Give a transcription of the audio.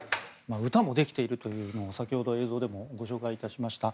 歌もできていると先ほど映像でもご紹介致しました。